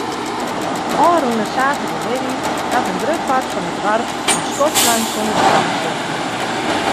Ofrûne saterdeitemiddei hat in grut part fan it doarp in skoftlang sonder stroom sitten.